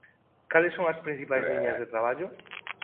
Cales son as principais liñas de traballo?